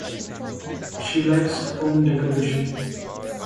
She likes home decoration.